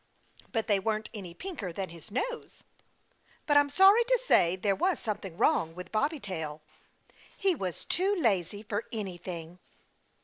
But they weren't any pinker than his nose. But, I'm sorry to say, there was something wrong with Bobby Tail. He was too lazy for anything.